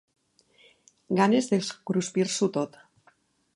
Ganes de cruspir-s'ho tot.